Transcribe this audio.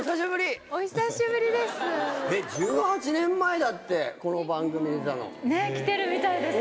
１８年前だってこの番組出たの。来てるみたいですね。